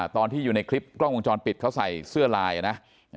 ตอนที่อยู่ในคลิปกล้องวงจรปิดเขาใส่เสื้อลายนะ